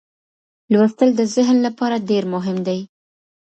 لوستل د ذهن لپاره ډېر مهم دي.